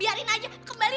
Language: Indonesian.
biarin aja kembaliin kembalin